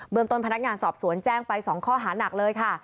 เมืองต้นพนักงานสอบสวนแจ้งไป๒ข้อหานักเลยค่ะ